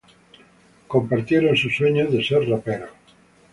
Compartieron sus sueños de ser raperos.